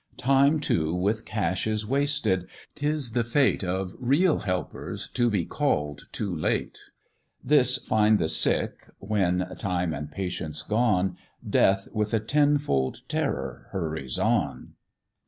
Time too with cash is wasted; 'tis the fate Of real helpers to be call'd too late; This find the sick, when (time and patience gone) Death with a tenfold terror hurries on.